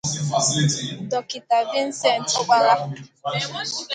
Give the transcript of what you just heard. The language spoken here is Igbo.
Dọkịta Vincent Okpala